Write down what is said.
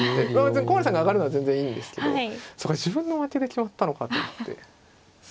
古森さんが上がるのは全然いいんですけどそうか自分が負けて決まったのかと思って。